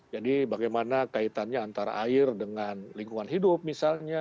jadi bagaimana kaitannya antara air dengan lingkungan hidup misalnya